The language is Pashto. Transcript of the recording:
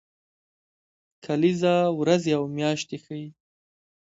کلیزه ورځې او میاشتې ښيي